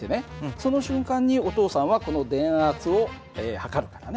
その瞬間にお父さんはこの電圧を測るからね。